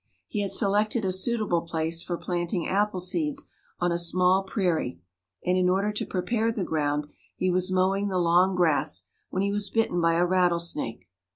He had selected a suitable place for planting appleseeds on a small prairie, and in order to prepare the ground, he was mowing the long grass, when he was bitten by a rattlesnake.